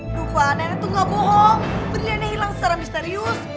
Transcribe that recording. aduh pak neneng itu gak bohong berliannya hilang secara misterius